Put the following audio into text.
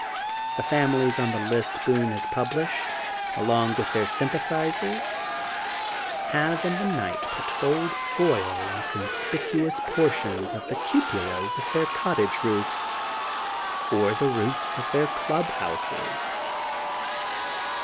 The families on the list Boone has pubUshed, along with their sympathizers, have in the night pnt gold foil on conspicuous portions of the cupolas of their cottage roofs or the roofs of their club houses.